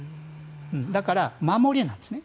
だから守りなんですね。